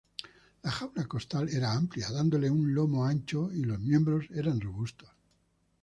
La jaula costal era amplia, dándole un lomo ancho, y los miembros eran robustos.